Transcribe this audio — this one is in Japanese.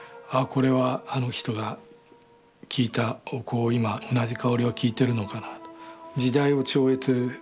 これはあの人が聞いたお香を今同じ香りを聞いているのかなと。